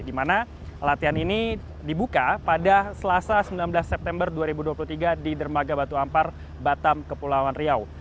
di mana latihan ini dibuka pada selasa sembilan belas september dua ribu dua puluh tiga di dermaga batu ampar batam kepulauan riau